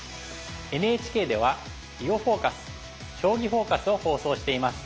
ＮＨＫでは「囲碁フォーカス」「将棋フォーカス」を放送しています。